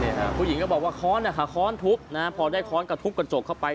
ผู้หญิงก็บอกว่าค้อนนะคะค้อนทุบนะฮะพอได้ค้อนก็ทุบกระจกเข้าไป